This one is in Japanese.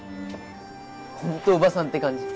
ほんとおばさんって感じ。